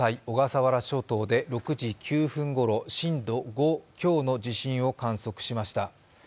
小笠原諸島で６時９分ごろ、震度５強の地震を観測しました。